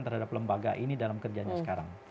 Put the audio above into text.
terhadap lembaga ini dalam kerjanya sekarang